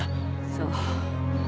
そう。